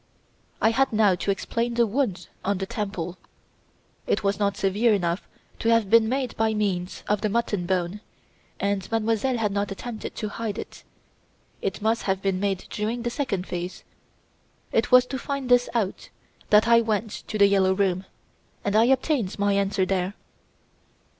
"I had now to explain the wound on the temple. It was not severe enough to have been made by means of the mutton bone, and Mademoiselle had not attempted to hide it. It must have been made during the second phase. It was to find this out that I went to "The Yellow Room", and I obtained my answer there."